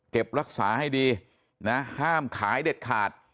รักษาให้ดีนะห้ามขายเด็ดขาด